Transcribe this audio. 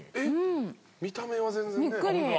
見た目は全然ね。